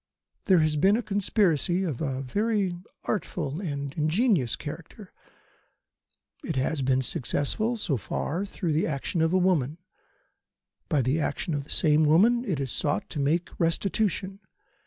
There has been a conspiracy of a very artful and ingenious character. It has been successful so far through the action of a woman. By the action of the same woman it is sought to make restitution.